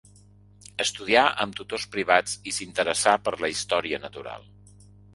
Estudià amb tutors privats i s'interessà per la història natural.